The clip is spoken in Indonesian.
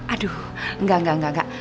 aduh enggak enggak enggak